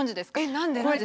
何で？